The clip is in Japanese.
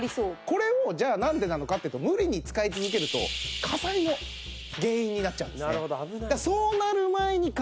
これをじゃあなんでなのかっていうと無理に使い続けると火災の原因になっちゃうんですね。